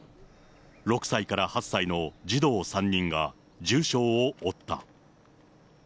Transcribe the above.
６歳から８歳の児童３人が重傷を負った。